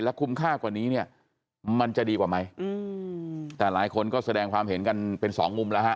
คุ้มค่ากว่านี้เนี่ยมันจะดีกว่าไหมอืมแต่หลายคนก็แสดงความเห็นกันเป็นสองมุมแล้วฮะ